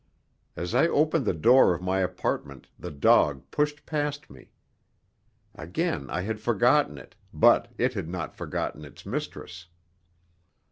As I opened the door of my apartment the dog pushed past me. Again I had forgotten it; but it had not forgotten its mistress.